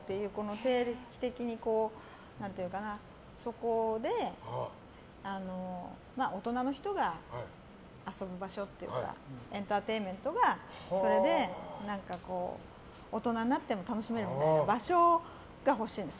定期的にそこで大人の人が遊ぶ場所っていうかエンターテインメントがそれで大人になっても楽しめる場所が欲しいんです。